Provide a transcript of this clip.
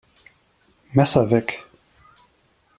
Messer weg!